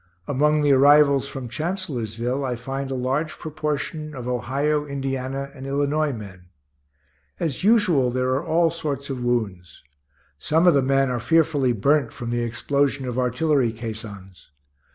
Among the arrivals from Chancellorsville I find a large proportion of Ohio, Indiana, and Illinois men. As usual there are all sorts of wounds. Some of the men are fearfully burnt from the explosion of artillery caissons.